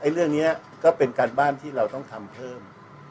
เรื่องนี้ก็เป็นการบ้านที่เราต้องทำเพิ่ม